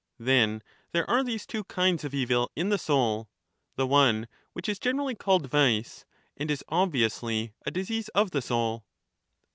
Then there are these two kinds of evil in the soul — the one which is generally called vice, and is obviously a disease of the soul